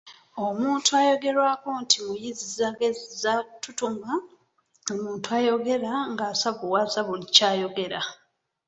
Omuntu ayogerwako nti Muyizzaagezza ttutuma ye muntu ayogera ng’asavuwaza buli kyayogera.